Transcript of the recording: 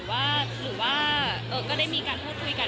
หรือว่าก็ได้มีการพูดคุยกัน